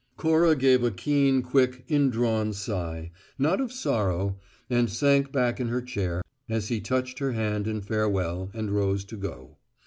Cora gave a keen, quick, indrawn sigh not of sorrow and sank back in her chair, as he touched her hand in farewell and rose to go.